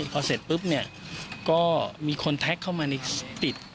พอเสร็จปุ๊บเนี่ยก็มีคนแท็กเข้ามาในติด